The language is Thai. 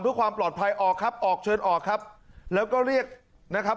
เพื่อความปลอดภัยออกครับออกเชิญออกครับแล้วก็เรียกนะครับ